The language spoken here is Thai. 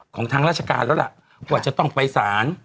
ของทางราชการแล้วล่ะว่าจะต้องไปสาร